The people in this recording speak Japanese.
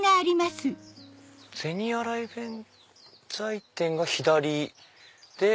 銭洗弁財天が左で。